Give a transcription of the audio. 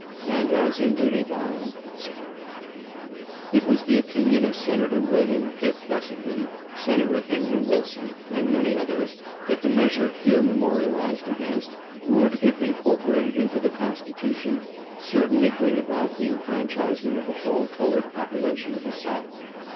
And as in duty bound, etc." It was the opinion of Senator Wm. Pitt Fessenden, Senator Henry Wilson, and many others, that the measure here memorialized against would, if incorporated into the Constitution, certainly bring about the enfran chisement of the whole colored population of the South.